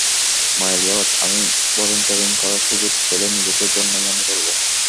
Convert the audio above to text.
মাই lord, আমি volunteering করার সুযোগ পেলে নিজেকে ধন্য মনে করব।